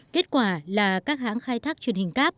kết quả là các hãng khai thác truyền hình cáp